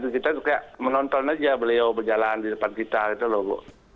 kita kayak menonton aja beliau berjalan di depan kita gitu loh bu